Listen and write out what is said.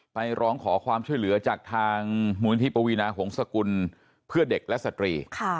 ร้องขอความช่วยเหลือจากทางมูลนิธิปวีนาหงษกุลเพื่อเด็กและสตรี